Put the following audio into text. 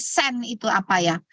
sen itu apa ya